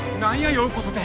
「ようこそ」て。